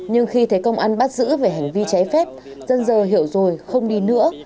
nhưng khi thấy công an bắt giữ về hành vi cháy phép dân giờ hiểu rồi không đi nữa